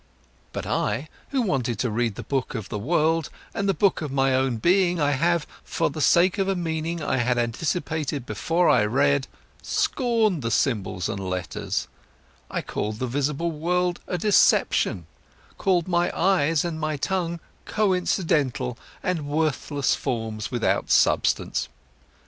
But I, who wanted to read the book of the world and the book of my own being, I have, for the sake of a meaning I had anticipated before I read, scorned the symbols and letters, I called the visible world a deception, called my eyes and my tongue coincidental and worthless forms without substance.